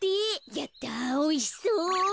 やったおいしそう。